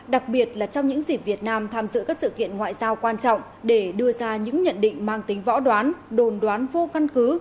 đặc biệt là trong những dịp việt nam tham dự các sự kiện ngoại giao quan trọng để đưa ra những nhận định mang tính võ đoán đồn đoán vô căn cứ